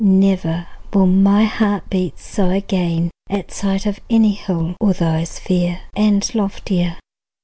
Never will My heart beat so again at sight Of any hill although as fair And loftier.